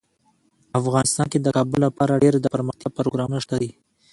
افغانستان کې د کابل لپاره ډیر دپرمختیا پروګرامونه شته دي.